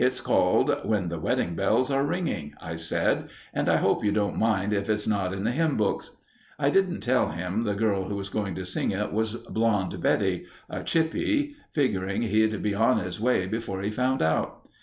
'It's called "When the Wedding Bells Are Ringing"' I said, 'and I hope you don't mind if it's not in the hymn books.' I didn't tell him the girl who was going to sing it was Blonde Betty—a chippy—figuring he'd be on his way before he found out.